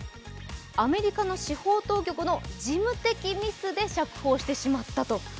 アメリカの司法当局の事務的ミスで釈放してしまったと。